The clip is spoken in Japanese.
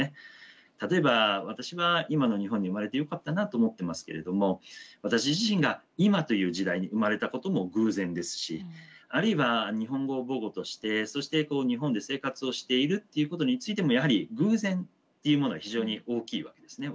例えば私は今の日本に生まれてよかったなと思ってますけれども私自身が今という時代に生まれたことも偶然ですしあるいは日本語を母語としてそして日本で生活をしているっていうことについてもやはり偶然っていうものが非常に大きいわけですね。